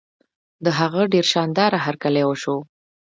د هغه ډېر شان داره هرکلی وشو.